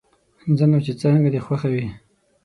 ځه نو، چې څرنګه دې خوښه وي.